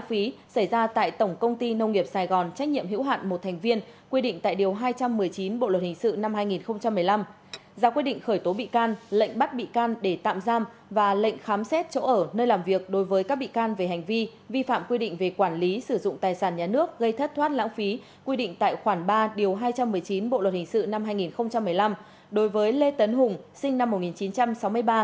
giáo quyết định khởi tố bị can lệnh bắt bị can để tạm giam và lệnh khám xét chỗ ở nơi làm việc đối với các bị can về hành vi vi phạm quy định về quản lý sử dụng tài sản nhà nước gây thất thoát lãng phí quy định tại khoản ba điều hai trăm một mươi chín bộ luật hình sự năm hai nghìn một mươi năm